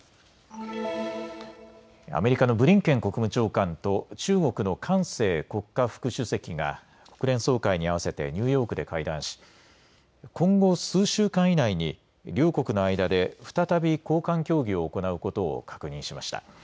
アメリカのブリンケン国務長官と中国の韓正国家副主席が国連総会に合わせてニューヨークで会談し今後、数週間以内に両国の間で再び高官協議を行うことを確認しました。